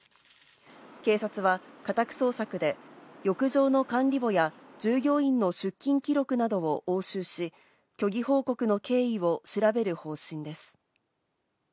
警察は家宅捜索で浴場の管理簿や従業員の出勤記録などを押収し、虚偽報告の経緯を調べる方針です。